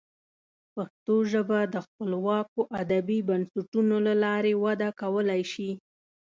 پښتو ژبه د خپلواکو ادبي بنسټونو له لارې وده کولی شي.